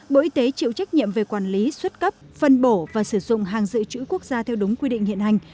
bộ y tế chịu trách nhiệm về quản lý xuất cấp phân bổ và sử dụng hàng dự trữ quốc gia theo đúng quy định hiện hành